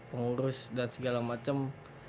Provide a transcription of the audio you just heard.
pengurus dan segala macam